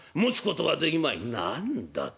「何だと！